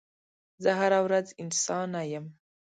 زه هره ورځ انسانه یم